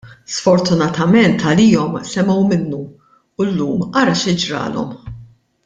Sfortunatament għalihom semgħu minnu, u llum ara xi ġralhom!